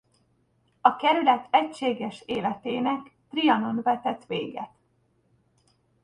A kerület egységes életének Trianon vetett véget.